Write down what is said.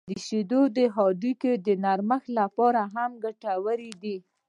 • شیدې د هډوکو د نرمښت لپاره هم ګټورې دي.